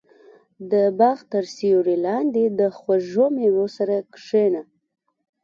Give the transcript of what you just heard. • د باغ تر سیوري لاندې د خوږو مېوو سره کښېنه.